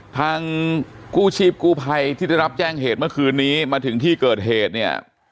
ทางกู้ชีพกู้ภัยที่ได้รับแจ้งเหตุเมื่อคืนนี้มาถึงที่เกิดเหตุเนี่ย